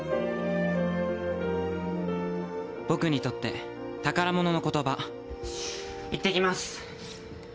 僕にとって宝物の言葉いってきます。